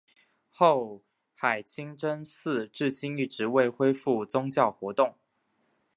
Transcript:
后海清真寺至今一直未恢复宗教活动。